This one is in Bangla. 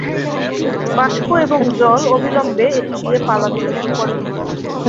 বাষ্প এবং জল অবিলম্বে এটি দিয়ে পালাতে শুরু করে।